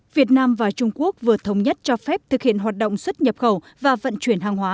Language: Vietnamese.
việt nam và trung quốc vừa thống nhất cho phép thực hiện hoạt động xuất nhập khẩu và vận chuyển hàng hóa